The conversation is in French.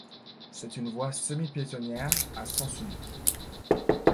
C'est une voie semi-piétonnière à sens unique.